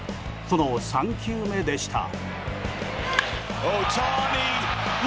その３球目でした。